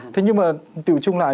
thế nhưng mà tự trung lại